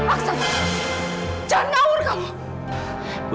aksan jangan ngawur kamu